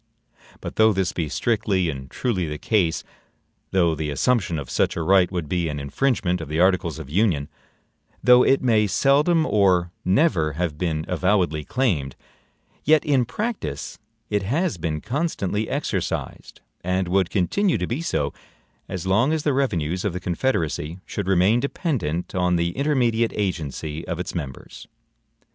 But though this be strictly and truly the case; though the assumption of such a right would be an infringement of the articles of Union; though it may seldom or never have been avowedly claimed, yet in practice it has been constantly exercised, and would continue to be so, as long as the revenues of the Confederacy should remain dependent on the intermediate agency of its members.